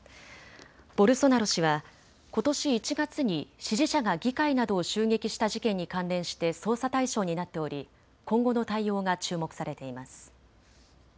ボルソナロ氏はことし１月に支持者が議会などを襲撃した事件に関連して捜査対象になっており今後の対応が注目されています。